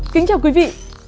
kính chào quý vị